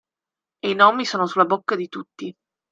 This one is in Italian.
E i nomi sono sulla bocca di tutti.